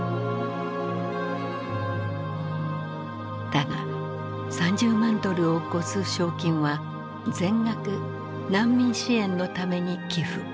だが３０万ドルを超す賞金は全額難民支援のために寄付。